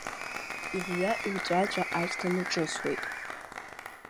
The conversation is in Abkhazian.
Ирҩа-ирҵәаҵәа ахьҭа наҿысуеит…